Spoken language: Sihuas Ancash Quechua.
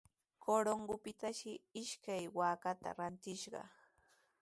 Corongotrawshi ishkay waakata rantishqa.